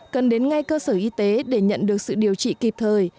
cần đến ngay cơ sở y tế để nhận được sự điều trị kịp thời